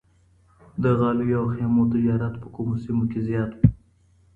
د غالیو او خیمو تجارت په کومو سیمو کي زیات و؟